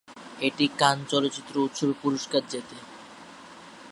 এটি কান চলচ্চিত্র উৎসবে পুরস্কার জেতে।